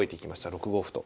６五歩と。